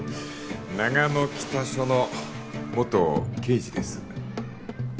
長野北署の元刑事です